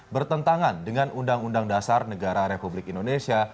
bertentangan dengan undang undang dasar negara republik indonesia